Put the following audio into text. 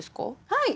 はい。